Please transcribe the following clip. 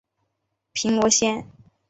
平罗线